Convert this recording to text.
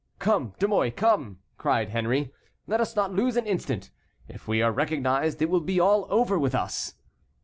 "Come, De Mouy, come!" cried Henry, "let us not lose an instant; if we are recognized it will be all over with us."